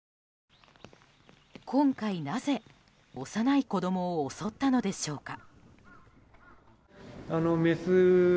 今回なぜ、幼い子供を襲ったのでしょうか。